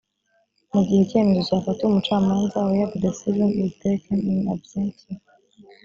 mu gihe icyemezo cyafatiwe umucamanza where the decision is taken in absentia